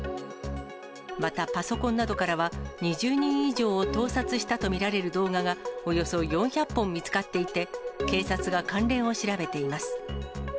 またパソコンなどからは、２０人以上を盗撮したと見られる動画が、およそ４００本見つかっていて、警察が関連を調べています。